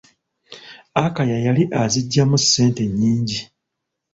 Akaya yali azigyamu ssente nyingi.